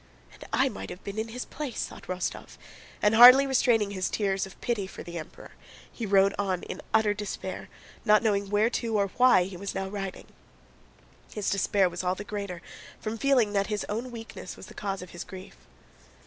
"And I might have been in his place!" thought Rostóv, and hardly restraining his tears of pity for the Emperor, he rode on in utter despair, not knowing where to or why he was now riding. His despair was all the greater from feeling that his own weakness was the cause of his grief.